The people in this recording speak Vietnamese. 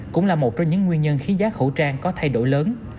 cũng là một trong những nguyên nhân khiến giá khẩu trang có thay đổi lớn